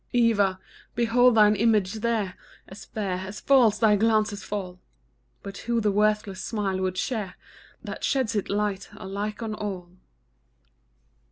Eva! behold thine image there, As fair, as false thy glances fall; But who the worthless smile would share That sheds its light alike on all.